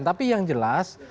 tapi yang jelas